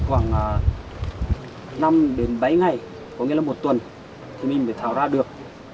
hôm đến bấy ngày có nghĩa là một tuần thì mình phải tháo ra được